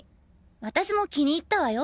私も気に入ったわよ